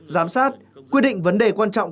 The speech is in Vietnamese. giám sát quyết định vấn đề quan trọng